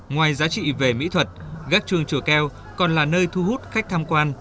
ngoài giá trị về mỹ thuật gác chuồng chùa keo còn là nơi thu hút khách tham quan